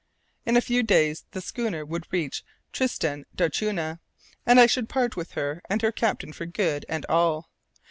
In a few days the schooner would reach Tristan d'Acunha, and I should part with her and her captain for good and all.